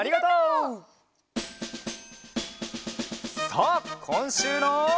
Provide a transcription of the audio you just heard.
さあこんしゅうの。